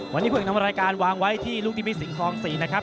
วันนี้คุณอีกทำรายการวางไว้ที่ลูกที่มีสิงคลองสี่นะครับ